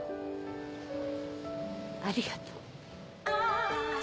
ありがとう。